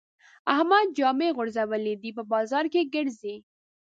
احمد جامې غورځولې دي؛ په بازار کې ګرځي.